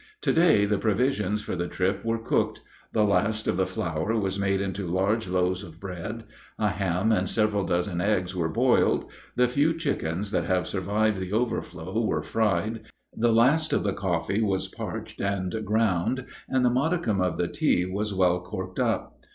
To day the provisions for the trip were cooked: the last of the flour was made into large loaves of bread; a ham and several dozen eggs were boiled; the few chickens that have survived the overflow were fried; the last of the coffee was parched and ground; and the modicum of the tea was well corked up.